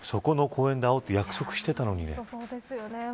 そこの公園で会うと約束していたのにね。